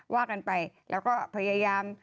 ว่ากันไปแล้วก็พยายาม